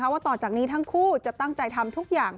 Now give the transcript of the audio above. ว่าต่อจากนี้ทั้งคู่จะตั้งใจทำทุกอย่าง